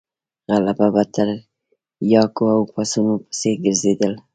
غله به د تریاکو او پسونو پسې ګرځېدل.